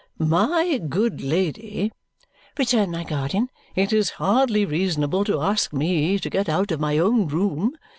"My good lady," returned my guardian, "it is hardly reasonable to ask me to get out of my own room."